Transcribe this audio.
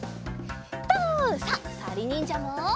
とう！さあさりにんじゃも！